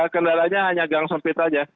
kendalanya hanya gang sempit saja